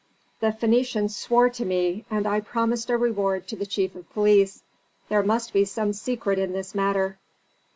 The Phœnicians swore to me, and I promised a reward to the chief of police. There must be some secret in this matter."